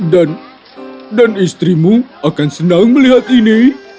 dan dan istrimu akan senang melihat ini